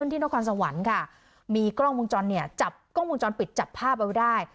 ที่นครสวรรค์ค่ะมีกล้องมุมจรเนี่ยจับกล้องวงจรปิดจับภาพเอาไว้ได้